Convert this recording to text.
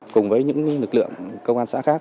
cùng với những lực lượng công an xã khác